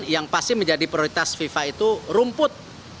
yang pasti menjadi prioritas fifa itu rumput